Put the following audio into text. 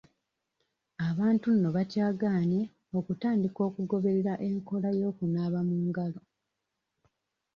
Abantu nno bakyagaanye okutandika okugoberera enkola y'okunaaba mu ngalo.